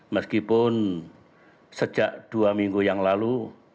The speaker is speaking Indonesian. meskipun sejak dua minggu yang lalu